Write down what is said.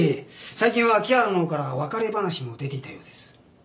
最近は木原のほうから別れ話も出ていたようです。